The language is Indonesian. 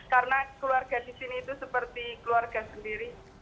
karena keluarga di sini itu seperti keluarga sendiri